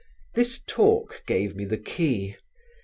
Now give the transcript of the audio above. This talk gave me the key.